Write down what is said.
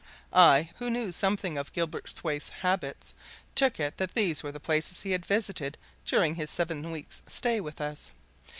I, who knew something of Gilverthwaite's habits, took it that these were the places he had visited during his seven weeks' stay with us.